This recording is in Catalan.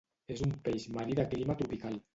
És un peix marí de clima tropical.